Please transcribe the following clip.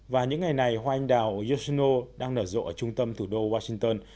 và những ngày này hoa anh đào yoshino đang nở rộ ở trung tâm thủ đô washington